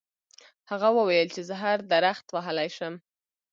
هغه وویل چې زه هر درخت وهلی شم.